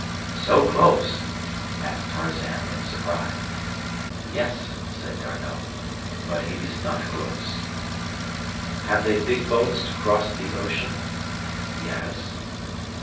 "So close?" asked Tarzan, in surprise. "Yes," said D'Arnot; "but it is not close." "Have they big boats to cross the ocean?" "Yes."